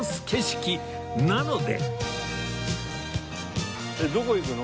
なので